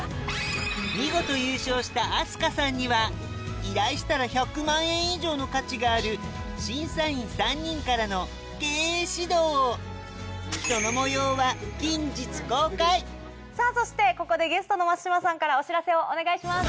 見事優勝したあすかさんには依頼したら１００万円以上の価値がある審査員３人からの経営指導をその模様はそしてここでゲストの松島さんからお知らせをお願いします。